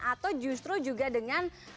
atau justru juga dengan